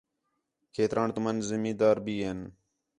کھیتران تُمن زمی دار بھی ہین